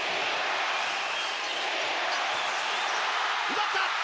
奪った！